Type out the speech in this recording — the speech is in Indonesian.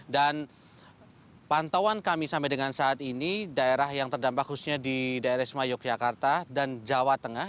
dan pantauan kami sampai dengan saat ini daerah yang terdampak khususnya di daerah yogyakarta dan jawa tengah